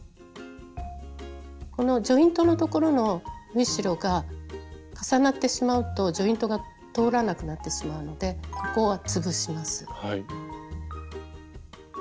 このジョイントのところの縫い代が重なってしまうとジョイントが通らなくなってしまうのでここは潰します。